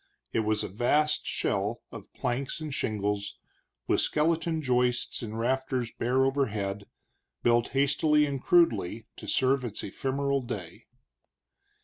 It was a vast shell of planks and shingles, with skeleton joists and rafters bare overhead, built hastily and crudely to serve its ephemeral day.